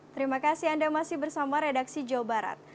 terima kasih anda masih bersama redaksi jawa barat